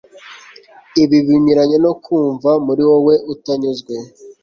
Ibi binyuranye no kumva muri wowe utanyuzwe,